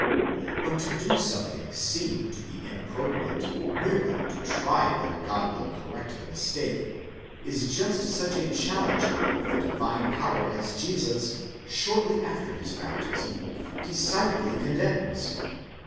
But to do something seen Ito be inappro priate, merely to try whether God will correct the mistake, is just such a challenging of the divine power as Jesus, shortly after his baptism, decidedly condemns.